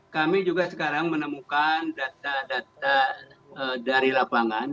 kami juga sekarang menemukan data data dari lapangan